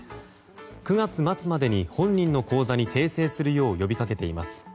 ９月末までに本人の口座に訂正するよう呼び掛けています。